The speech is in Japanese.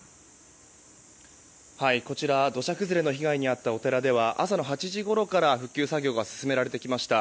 こちら、土砂崩れの被害に遭ったお寺では朝の８時ごろから復旧作業が続けられてきました。